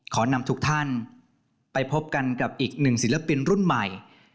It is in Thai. ขออนุ้มทุกท่านไปพบกันกับอีก๑ศิลปินรุ่นใหม่